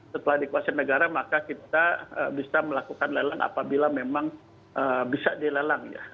setelah dikuasai negara maka kita bisa melakukan lelang apabila memang bisa dilelang ya